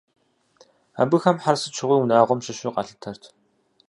Абыхэм хьэр сыт щыгъуи унагъуэм щыщу къалъытэрт.